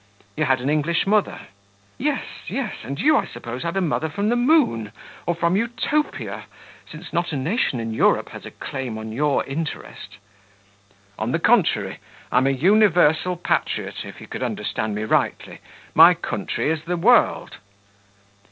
"You had an English mother?" "Yes, yes; and you, I suppose, had a mother from the moon or from Utopia, since not a nation in Europe has a claim on your interest?" "On the contrary, I'm a universal patriot, if you could understand me rightly: my country is the world."